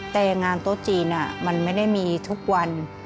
แต่งานโต๊ะจีนมันไม่ได้มีทุกวัน